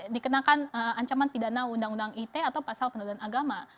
dikenakan ancaman pidana undang undang it atau pasal penodaan agama